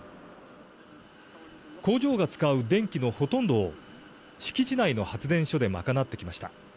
工場が使う電気のほとんどを敷地内の発電所で賄ってきました。